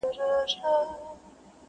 په لسګونو موږکان دلته اوسېږي,